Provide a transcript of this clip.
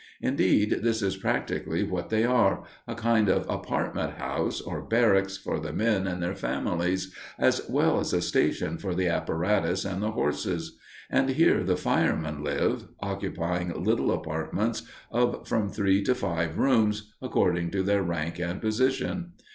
Indeed, this is practically what they are a kind of apartment house or barracks for the men and their families, as well as a station for the apparatus and the horses; and here the firemen live, occupying little apartments of from three to five rooms, according to their rank and position.